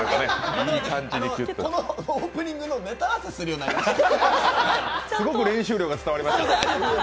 このオープニングのネタ合わせするようになりました。